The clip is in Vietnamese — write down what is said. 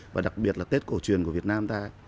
và đặc biệt là tết cổ truyền của việt nam ta